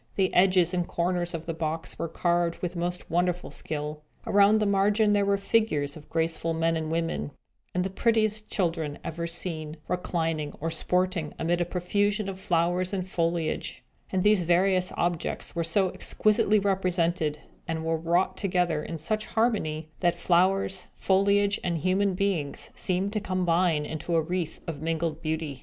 The edges and corners of the box were carved with most wonderful skill. Around the margin there were figures of graceful men and women, and the prettiest children ever seen, reclining or sporting amid a profusion of flowers and foliage; and these various objects were so exquisitely represented, and were wrought together in such harmony, that flowers, foliage, and human beings seemed to combine into a wreath of mingled beauty.